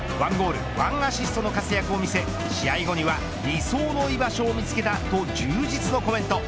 １アシストの活躍を見せ試合後には理想の居場所を見つけたとじゅうぶんのコメント。